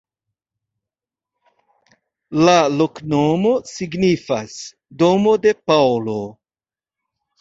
La loknomo signifas: domo de Paŭlo.